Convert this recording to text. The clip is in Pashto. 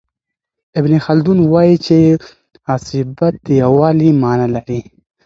ابن خلدون وايي چي عصبیت د یووالي معنی لري.